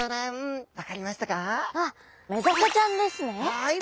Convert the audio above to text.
はい。